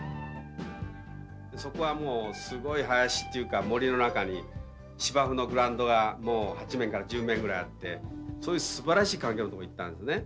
そこはすごい林というか森の中に芝生のグラウンドが８面から１０面ぐらいあってそういうすばらしい環境の所に行ったんですね。